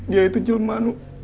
dia itu jumanu